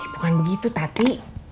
bukan begitu tati